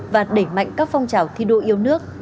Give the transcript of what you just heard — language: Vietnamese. và đẩy mạnh các phong trào thi đua yêu nước